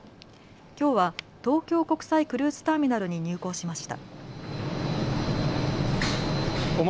きょうは東京国際クルーズターミナルに入港しました。